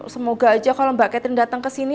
semoga aja kalau mbak catherine datang kesini